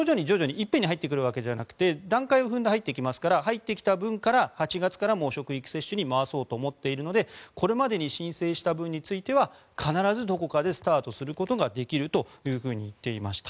一遍に入ってくるわけではなくて段階を踏んで入ってきますから入ってきた分から８月から職域接種に回そうと思っているのでこれまでに申請した分については必ずどこかでスタートすることができると言っていました。